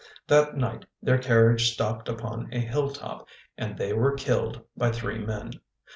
That night their carriage stopped upon a hilltop and they were killed by three men.